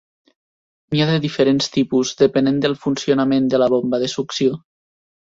N'hi ha de diferents tipus depenent del funcionament de la bomba de succió.